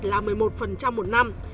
là một mươi một một năm